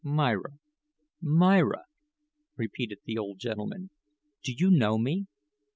"Myra, Myra," repeated the old gentleman; "do you know me?